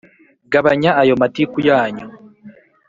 Gabanya ayo matiku yanyu